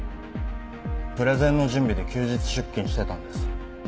プレゼンの準備で休日出勤してたんです。